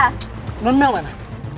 lo dan mel mana